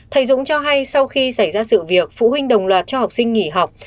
thầy dũng cho hay sau khi xảy ra sự việc phụ huynh đồng loạt cho học sinh nghỉ học